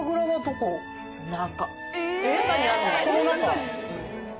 この中？